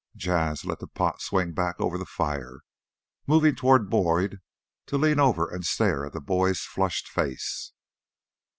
Jas' let the pot swing back over the fire, moving toward Boyd to lean over and stare at the boy's flushed face.